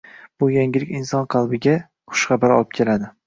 Bu yangilik inson qalbiga xushxabar olib keladi